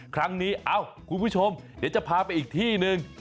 เอ้าคุณผู้ชมเดี๋ยวจะพาไปอีกที่หนึ่ง